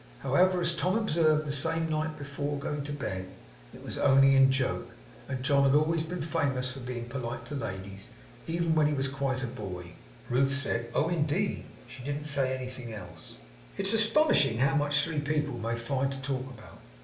However, as Tom observed the same night before going to bed, it was only in joke, and John had always been famous for being polite to ladies, even when he was quite a boy. Ruth said, 'Oh! indeed!' She didn't say anything else. It is astonishing how much three people may find to talk about.